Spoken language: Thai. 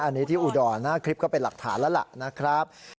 อันนี้ที่อุดรหน้าคลิปก็เป็นหลักฐานแล้วล่ะนะครับ